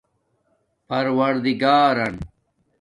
پَرور دگاران